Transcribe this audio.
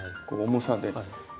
こう重さで。